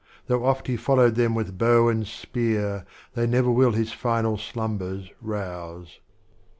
Though oft he followed them with bow and Spear, They never will his Final Slumbers rouse.